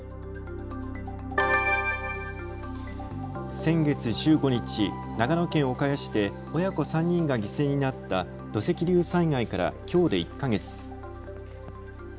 先月１５日、長野県岡谷市で親子３人が犠牲になった土石流災害からきょうで１か月。